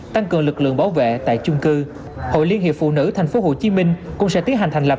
tăng cường lực lượng bảo vệ tại chung cư hội liên hiệp phụ nữ tp hcm cũng sẽ tiến hành thành lập